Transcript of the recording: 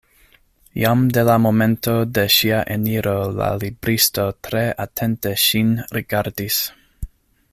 Jam de la momento de ŝia eniro la libristo tre atente ŝin rigardis.